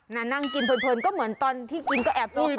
นั่งกินเพลินก็เหมือนตอนที่กินก็แอบกิน